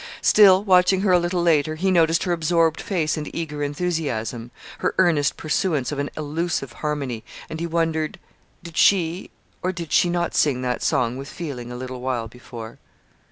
Still, watching her a little later, he noticed her absorbed face and eager enthusiasm, her earnest pursuance of an elusive harmony, and he wondered: did she, or did she not sing that song with feeling a little while before?